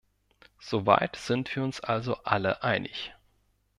So weit sind wir uns also alle einig.